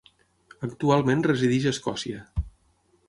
Actualment resideix a Escòcia.